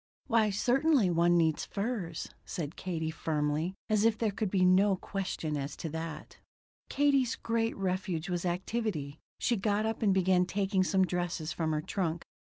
"Why certainly one needs furs," said Katie firmly, as if there could be no question as to that. Katie's great refuge was activity. She got up and began taking some dresses from her trunk.